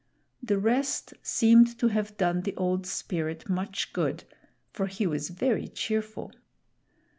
The rest seemed to have done the Old Spirit much good, for he was very cheerful.